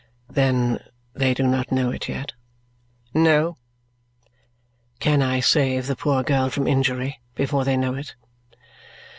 "Then they do not know it yet?" "No." "Can I save the poor girl from injury before they know it?"